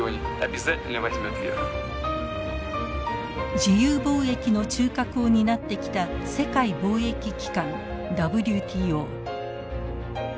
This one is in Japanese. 自由貿易の中核を担ってきた世界貿易機関ＷＴＯ。